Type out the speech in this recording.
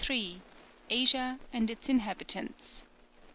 ASIA AND ITS INHABITANTS.